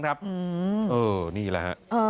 อืมนี่แหละ